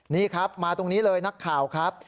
นี่ครับมาตรงนี้เลยนักข่าวครับ